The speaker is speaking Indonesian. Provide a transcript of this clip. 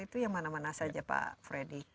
itu yang mana mana saja pak freddy